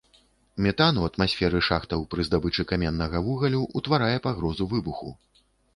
Метан у атмасферы шахтаў пры здабычы каменнага вугалю утварае пагрозу выбуху.